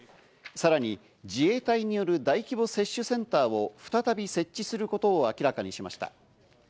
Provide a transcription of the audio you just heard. さらに自衛隊による大規模接種センターを再び設置することを明らかにしました。